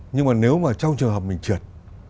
nhưng mà nếu mà trong trường hợp mình trượt